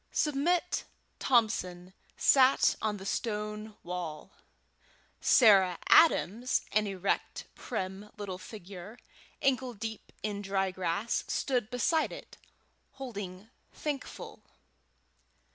Submit Thompson sat on the stone wall; Sarah Adams, an erect, prim little figure, ankle deep in dry grass, stood beside it, holding Thankful.